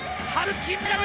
金メダル。